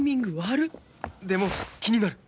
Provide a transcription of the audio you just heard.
でも気になる